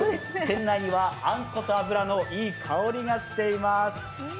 店内にはあんこと油のいい香りがしています。